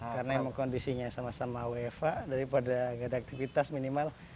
karena kondisinya sama sama wfa daripada nggak ada aktivitas minimal